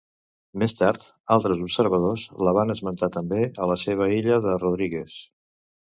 Més tard altres observadors la van esmentar també a la seva illa de Rodrigues.